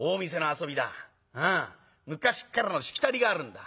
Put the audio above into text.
昔っからのしきたりがあるんだ。